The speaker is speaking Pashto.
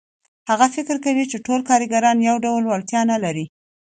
هغه فکر کوي چې ټول کارګران یو ډول وړتیاوې نه لري